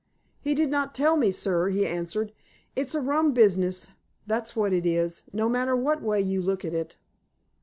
"He did not tell me, sir," he answered. "It's a rum business, that's what it is, no matter what way you look at it."